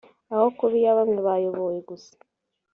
aho kuba iya bamwe bayoboye gusa